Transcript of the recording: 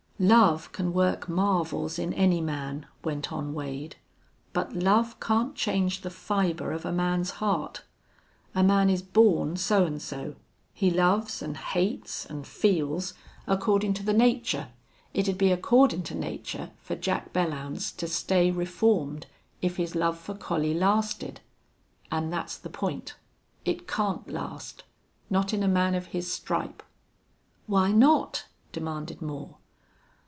"Love can work marvels in any man," went on Wade. "But love can't change the fiber of a man's heart. A man is born so an' so. He loves an' hates an' feels accordin' to the nature. It'd be accordin' to nature for Jack Belllounds to stay reformed if his love for Collie lasted. An' that's the point. It can't last. Not in a man of his stripe." "Why not?" demanded Moore.